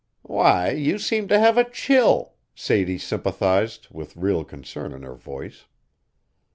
"Why, you seem to have a chill," Sadie sympathized, with real concern in her voice.